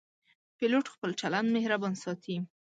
پیلوټ خپل چلند مهربان ساتي.